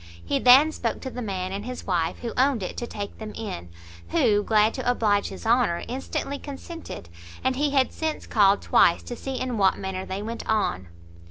He then spoke to the man and his wife who owned it to take them in, who, glad to oblige his Honour, instantly consented, and he had since called twice to see in what manner they went on.